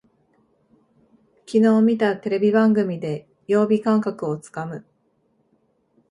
きのう見たテレビ番組で曜日感覚をつかむ